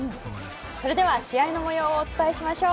それでは試合のもようをお伝えしましょう。